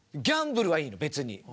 ギャンブルはいいの別に。